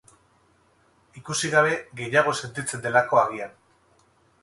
Ikusi gabe gehiago sentitzen delako, agian.